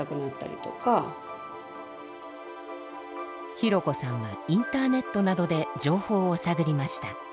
ひろこさんはインターネットなどで情報を探りました。